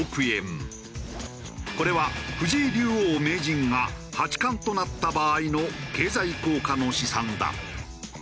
これは藤井竜王・名人が八冠となった場合の経済効果の試算だ。